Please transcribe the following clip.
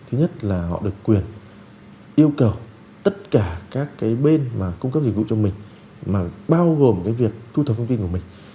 ít nhất là họ được quyền yêu cầu tất cả các bên cung cấp dịch vụ cho mình mà bao gồm việc thu thập thông tin của mình